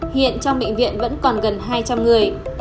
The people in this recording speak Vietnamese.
hiện trong bệnh viện vẫn còn gần hai trăm linh người